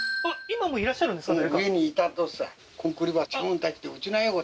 今もいらっしゃるんですか？